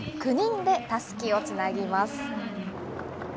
９人でたすきをつなぎます。